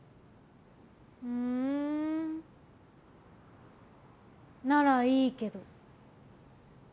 ふんならいいけど。